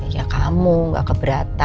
ya kamu gak keberatan